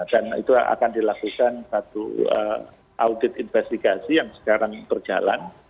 dan itu akan dilakukan satu audit investigasi yang sekarang berjalan